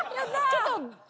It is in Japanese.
ちょっと。